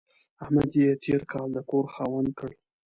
احمد يې تېر کال د کور خاوند کړ.